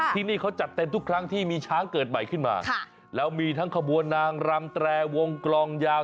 ที่นี่เขาจัดเต็มทุกครั้งที่มีช้างเกิดใหม่ขึ้นมาแล้วมีทั้งขบวนนางรำแตรวงกลองยาว